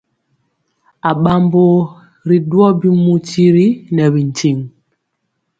Aɓambo ri duwɔ bimu tiri nɛ bintiŋ.